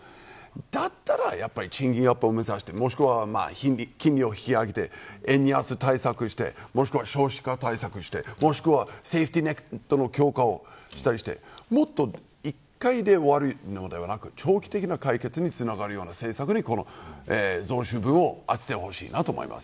だったら賃金アップを目指してもしくは金利を引き上げて円安対策をしてもしくは少子化対策としてもしくはセーフティネットの強化をしたりして１回で終わるのではなく長期的な解決につながるような政策にこの増収分を充ててほしいと思います。